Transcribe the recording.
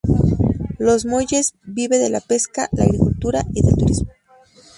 Los Molles vive de la pesca, la agricultura y del turismo.